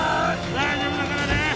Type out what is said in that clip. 大丈夫だからね